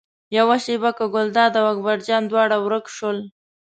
یوه شېبه کې ګلداد او اکبر جان دواړه ورک شول.